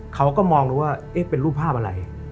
เขาก็มองดูว่าเป็นรูปภาพอะไร